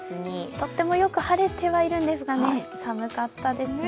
とってもよく晴れてはいるんですけど、寒かったですね。